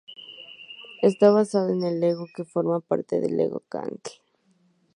Esta basada en Lego que forma parte de Lego Castle.